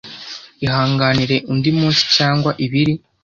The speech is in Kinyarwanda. Ihangane undi munsi cyangwa ibiri.